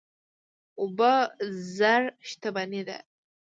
اوبه زر شتمني ده.